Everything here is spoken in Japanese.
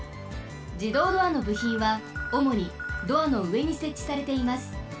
じどうドアのぶひんはおもにドアのうえにせっちされています。